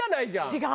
違う。